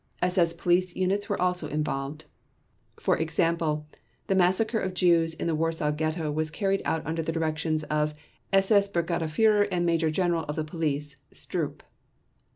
SS Police units were also involved. For example, the massacre of Jews in the Warsaw ghetto was carried out under the directions of SS Brigadeführer and Major General of the Police Stroop.